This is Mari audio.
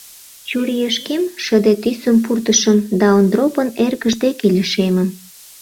Чурийышкем шыде тӱсым пуртышым да Ондропын эргыж деке лишемым.